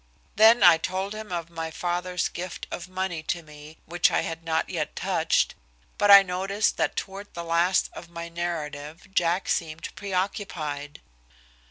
Then I told him of my father's gift of money to me, which I had not yet touched, but I noticed that toward the last of my narrative Jack seemed preoccupied.